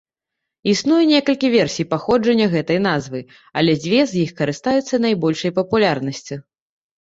Існуе некалькі версій паходжання гэтай назвы, але дзве з іх карыстаюцца найбольшай папулярнасцю.